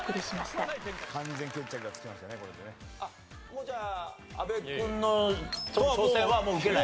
もうじゃあ阿部君の挑戦は受けない？